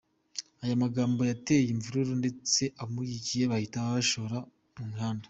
Aya magambo yateje imvururu ndetse abamushyigikiye bahita bashoka mu mihanda.